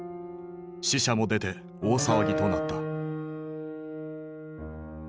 死者も出て大騒ぎとなった。